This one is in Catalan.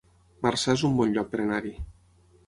Marçà es un bon lloc per anar-hi